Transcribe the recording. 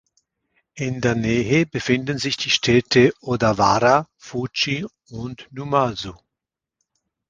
In der Nähe befinden sich die Städte Odawara, Fuji und Numazu.